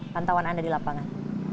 pantauan anda di lapangan